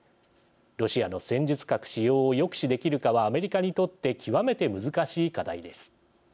ロシアの戦術核使用を抑止できるかはアメリカにとって極めて難しい課題です。